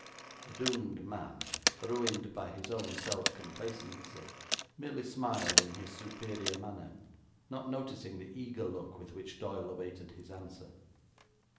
The doomed man, ruined by his own self complacency, merely smiled in his superior manner, not noticing the eager look with which Doyle awaited his answer.